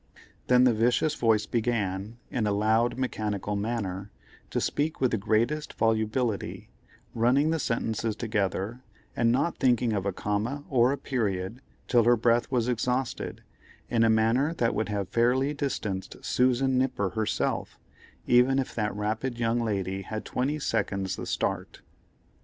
Then the vicious voice began, in a loud mechanical manner, to speak with the greatest volubility, running the sentences together, and not thinking of a comma or a period till her breath was exhausted, in a manner that would have fairly distanced Susan Nipper herself, even if that rapid young lady had twenty seconds the start.